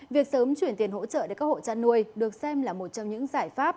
việc sớm chuyển tiền hỗ trợ để các hộ chăn nuôi được xem là một trong những giải pháp